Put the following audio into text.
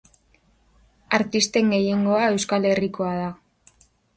Artisten gehiengoa Euskal Herrikoa da.